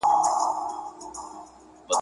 نور یې هیري کړې نارې د ګوروانانو `